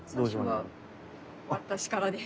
私からです。